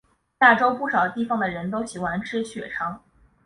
亚洲不少地方的人都喜欢吃血肠。